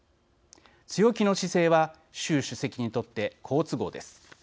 強気の姿勢は習主席にとって好都合です。